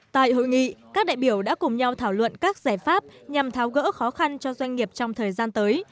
tại hội nghị các đại biểu đã cùng nhau thảo luận các giải pháp nhằm tháo gỡ khó khăn cho doanh nghiệp trong thời gian tới